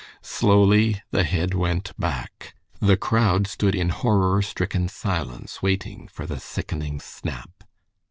Slowly the head went back. The crowd stood in horror stricken silence waiting for the sickening snap.